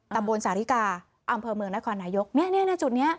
ตำบันสาธิกาอำเภอเมืองนัคฐานนายกเงี้ยจุดเนี้ย